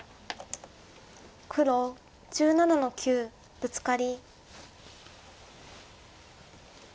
黒１７の九ブツカリ。